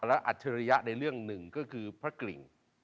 และอัจฉริยะในเรื่องหนึ่งก็คือพระกริ่ง